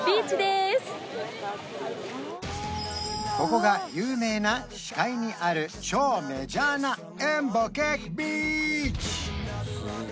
ここが有名な死海にある超メジャーなエン・ボケックビーチ！